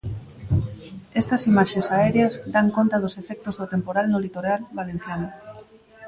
Estas imaxes aéreas dan conta dos efectos do temporal no litoral valenciano.